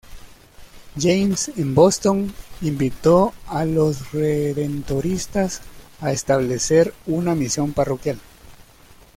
James en Boston, invitó a los Redentoristas a establecer una misión parroquial.